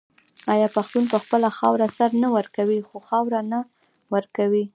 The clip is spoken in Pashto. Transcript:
آیا پښتون په خپله خاوره سر نه ورکوي خو خاوره نه ورکوي؟